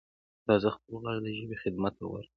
راځه خپل غږ د ژبې خدمت ته ورکړو.